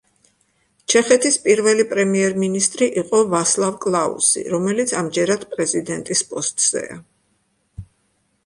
ჩეხეთის პირველი პრემიერ მინისტრი იყო ვასლავ კლაუსი, რომელიც ამჯერად პრეზიდენტის პოსტზეა.